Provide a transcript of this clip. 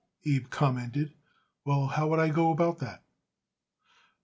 Abe commented. "Well, how would I go about that?"